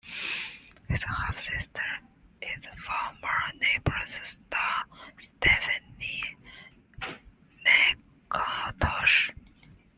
His half-sister is former "Neighbours" star Stephanie McIntosh.